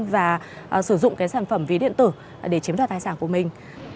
và sử dụng cái sản phẩm ví điện tử để chiếm đoạt tài sản của mình